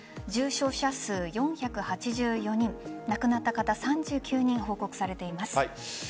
重症者数、４８４人亡くなった方３９人報告されています。